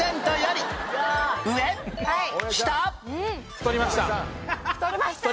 太りました。